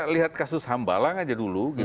lihat kasus hambalang dulu